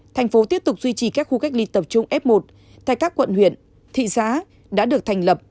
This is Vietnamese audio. thành phố tiếp tục duy trì các khu cách ly tập trung f một tại các quận huyện thị xã đã được thành lập